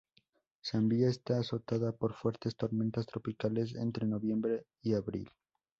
Zambia está azotada por fuertes tormentas tropicales entre noviembre y abril.